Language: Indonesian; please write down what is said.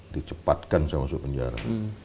dicepatkan saya masuk penjara